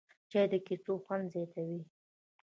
چای د کیسو خوند زیاتوي